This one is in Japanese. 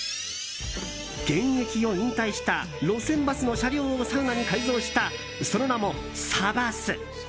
現役を引退した路線バスの車両をサウナに改造したその名も、サバス。